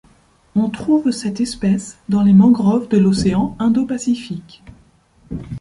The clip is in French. On trouve cette espèce dans les mangroves de l'océan indo-pacifique.